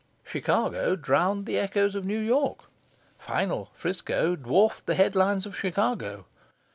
Chicago drowned the echoes of New York; final Frisco dwarfed the headlines of Chicago.